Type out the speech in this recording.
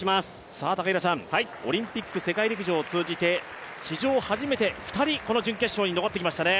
オリンピック、世界陸上を通じて史上初めて２人、この準決勝に残ってきましたね。